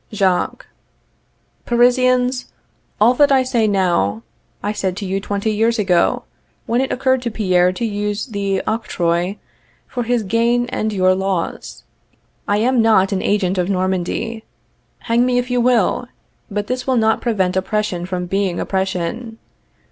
] Jacques. Parisians, all that I say now, I said to you twenty years ago, when it occurred to Pierre to use the octroi for his gain and your loss. I am not an agent of Normandy. Hang me if you will, but this will not prevent oppression from being oppression.